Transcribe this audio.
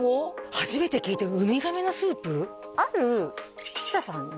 初めて聞いたウミガメのスープ？